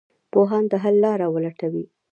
پوهان د حل لاره ولټوي.